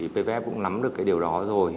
pvf cũng nắm được điều đó rồi